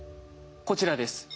こちらです。